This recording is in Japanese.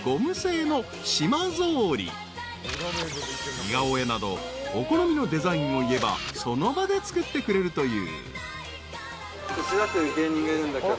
［似顔絵などお好みのデザインを言えばその場で作ってくれるという］